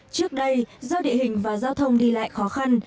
trước đây do địa hình và giao thông đi lại khó khăn